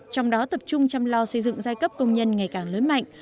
trong đó tập trung chăm lo xây dựng giai cấp công nhân ngày càng lớn mạnh